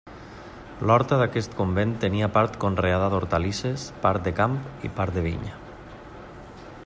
L'horta d'aquest convent tenia part conreada d'hortalisses, part de camp i part de vinya.